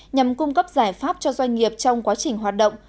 nhằm cung cấp giải pháp cho doanh nghiệp trong quá trình hoạt động